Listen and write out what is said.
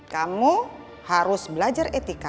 kamu harus belajar etika